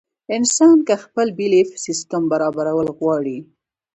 انسان کۀ خپل بيليف سسټم برابرول غواړي